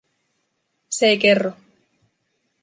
Se ei kerro.